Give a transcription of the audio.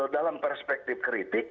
dalam perspektif kritik